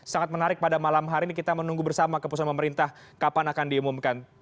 sangat menarik pada malam hari ini kita menunggu bersama keputusan pemerintah kapan akan diumumkan